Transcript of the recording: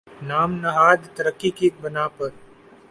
نام نہاد ترقی کی بنا پر